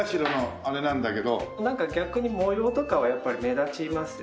なんか逆に模様とかはやっぱり目立ちますよね。